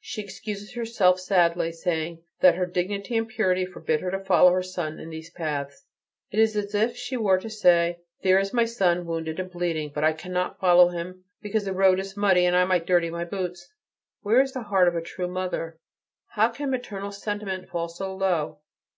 She excuses herself sadly, saying that her dignity and purity forbid her to follow her son in these paths. It is as if she were to say, "There is my son, wounded and bleeding; but I cannot follow him, because the road is muddy, and I might dirty my boots." Where is the heart of a true mother? How can maternal sentiment fall so low?